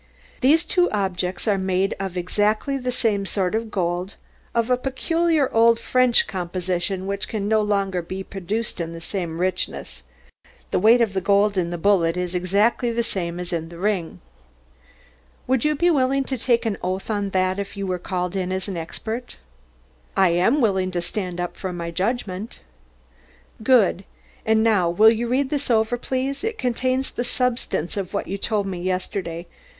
"These two objects are made of exactly the same sort of gold, of a peculiar old French composition, which can no longer be produced in the same richness. The weight of the gold in the bullet is exactly the same as in the ring." "Would you be willing to take an oath on that if you were called in as an expert?" "I am willing to stand up for my judgment." "Good. And now will you read this over please, it contains the substance of what you told me yesterday.